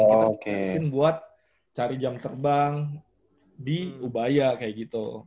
kita bikin buat cari jam terbang di ubaya kayak gitu